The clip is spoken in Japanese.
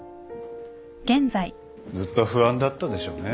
ずっと不安だったでしょうね。